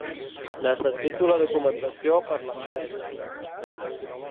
Necessito la documentació per l'empresa.